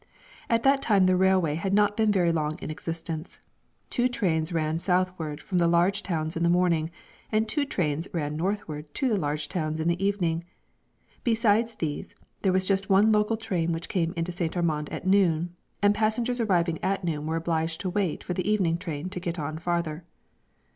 At that time the railway had not been very long in existence; two trains ran southward from the large towns in the morning, and two trains ran northward to the large towns in the evening; besides these, there was just one local train which came into St. Armand at noon, and passengers arriving at noon were obliged to wait for the evening train to get on farther.